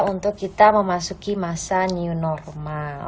untuk kita memasuki masa new normal